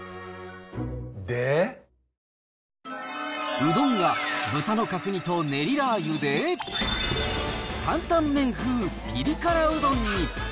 うどんが豚の角煮とねりラー油で、担々麺風ピリ辛うどんに。